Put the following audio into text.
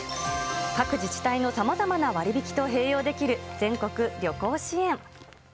各自治体のさまざまな割引と併用できる全国旅行支援。